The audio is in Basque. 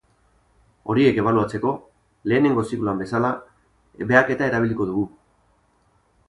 Horiek ebaluatzeko, lehenengo zikloan bezala, behaketa erabiliko dugu.